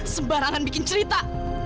sembarangan bikin cerita